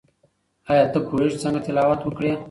آیا ته پوهیږې چې څنګه تلاوت وکړې؟